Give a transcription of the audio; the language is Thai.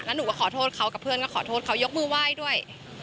หนูก็ขอโทษเขากับเพื่อนก็ขอโทษเขายกมือไหว้ด้วย